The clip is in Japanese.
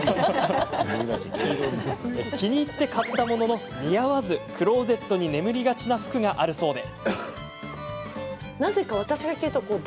気に入って買ったものの似合わずクローゼットに眠りがちな服があるそうで。